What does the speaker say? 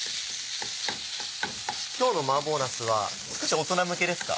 今日の麻婆なすは少し大人向けですか？